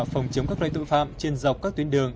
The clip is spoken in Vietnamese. phòng chống các loại tội phạm trên dọc các tuyến đường